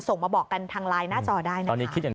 ส่งมาบอกกันทางไลน์หน้าจอได้นะครับ